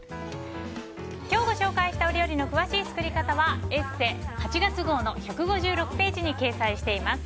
今日ご紹介した料理の詳しい作り方は「ＥＳＳＥ」８月号の１５６ページに掲載しています。